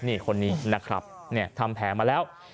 นี่คนนี้นะครับทำแผลมาแล้ว